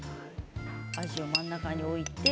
あじを真ん中に置いて。